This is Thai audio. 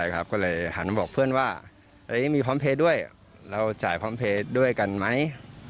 ก็เลยหันมาบอกเพื่อนว่ายังมีพร้อมเพลย์ด้วยเราจ่ายพร้อมเพลย์ด้วยกันไหม